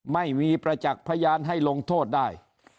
ไม่มีประจักษ์พยานให้ลงโทษได้